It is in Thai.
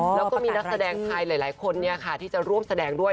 แล้วก็มีนักแสดงไทยหลายคนที่จะร่วมแสดงด้วย